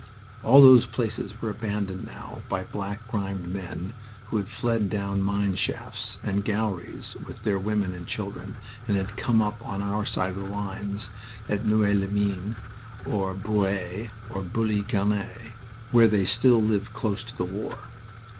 All those places were abandoned now by black grimed men who had fled down mine shafts and galleries with their women and children, and had come up on our side of the lines at Noeux les Mines or Bruay or Bully Grenay, where they still lived close to the war.